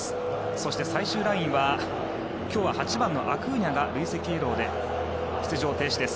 そして最終ラインは今日は８番のアクーニャが累積イエローで出場停止です。